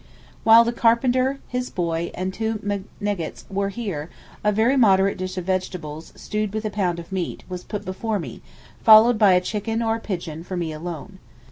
While the carpenter, his boy, and two meneggets were here, a very moderate dish of vegetables, stewed with a pound of meat, was put before me, followed by a chicken or a pigeon for me alone.